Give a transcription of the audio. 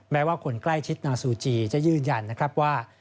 แม้ว่าคนใกล้ชิดนางซูจีจะยืนยันนะครับว่า